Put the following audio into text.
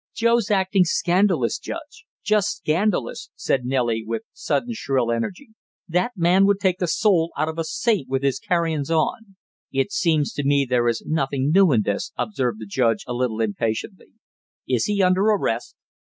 "Joe's acting scandalous, Judge, just scandalous!" said Nellie with sudden shrill energy. "That man would take the soul out of a saint with his carryings on!" "It seems to me there is nothing new in this," observed the judge a little impatiently. "Is he under arrest?"